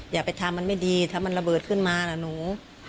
อย่าไปทำมันไม่ดีถ้ามันระเบิดขึ้นมานะหนู